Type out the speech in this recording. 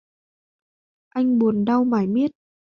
Anh buồn đau mải miết